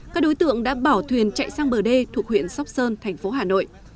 các đối tượng đã bỏ thuyền chạy sang bờ đê thuộc huyện sóc sơn thành phố hà nội